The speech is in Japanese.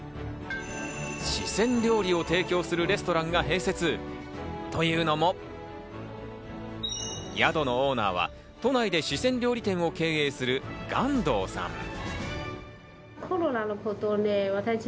四川料理を提供するレストランが併設、というのも、宿のオーナーは都内で四川料理店を経営する丸藤さん。